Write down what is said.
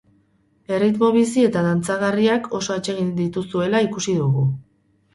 Erritmo bizi eta dantzagarriak oso atsegin dituzuela ikusi dugu.